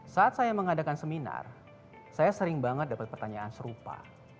saat saya mengadakan seminar saya sering banget dapat pertanyaan serupa